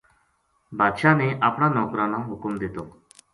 بادشاہ نے اپنا نوکراں نا حکم دیتو